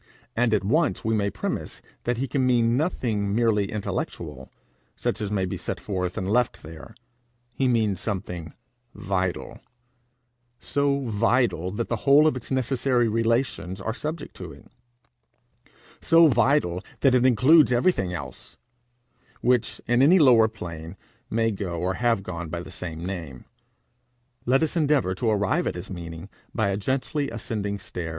And at once we may premise that he can mean nothing merely intellectual, such as may be set forth and left there; he means something vital, so vital that the whole of its necessary relations are subject to it, so vital that it includes everything else which, in any lower plane, may go or have gone by the same name. Let us endeavour to arrive at his meaning by a gently ascending stair.